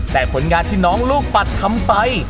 แต่ผลงานที่น้องลูกปัดทำไป